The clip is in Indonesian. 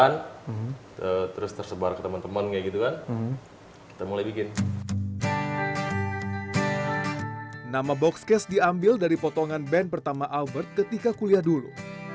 nama boxcase diambil dari potongan band pertama albert ketika kuliah dulu